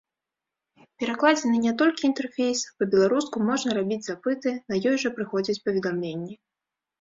Перакладзены не толькі інтэрфейс, па-беларуску можна рабіць запыты, на ёй жа прыходзяць паведамленні.